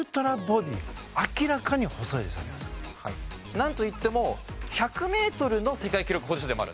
なんといっても１００メートルの世界記録保持者でもあるんです。